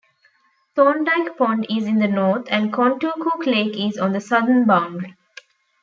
Thorndike Pond is in the north, and Contoocook Lake is on the southern boundary.